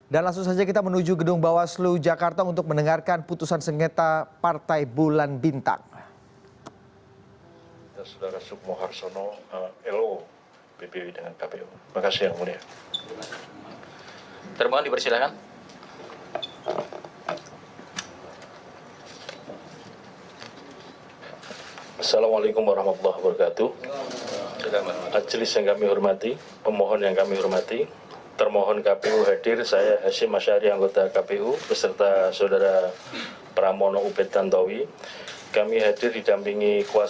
dan langsung saja kita menuju gedung bawah selu jakarta untuk mendengarkan putusan senggeta partai bulan bintang